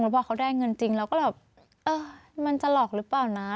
พอเขาได้เงินจริงเราก็แบบเออมันจะหลอกหรือเปล่านะ